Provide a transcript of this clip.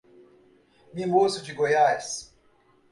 Mimoso de Goiás